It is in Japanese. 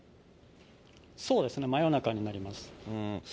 そうですね、真夜中になります。